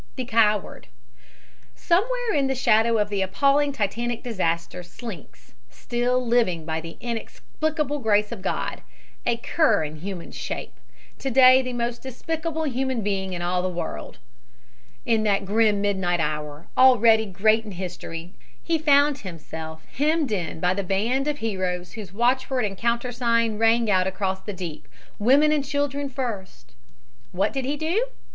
THE COWARD Somewhere in the shadow of the appalling Titanic disaster slinks still living by the inexplicable grace of God a cur in human shape, to day the most despicable human being in all the world. In that grim midnight hour, already great in history, he found himself hemmed in by the band of heroes whose watchword and countersign rang out across the deep "Women and children first!" What did he do?